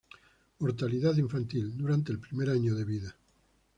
Mortalidad infantil: durante el primer año de vida.